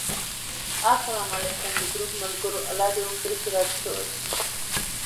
اسلام علیکم! د ګروپ ملګرو! الله دې وکړي چې راته ښه وی